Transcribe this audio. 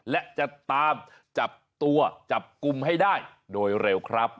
และจะตามจับตัวจับกลุ่มให้ได้โดยเร็วครับ